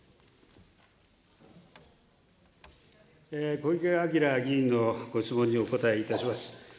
小池晃議員のご質問にお答えいたします。